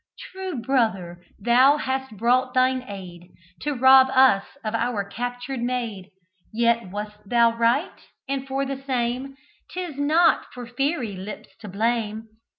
True brother! thou hast brought thine aid To rob us of our captured maid; Yet wast thou right, and for the same 'Tis not for fairy lips to blame.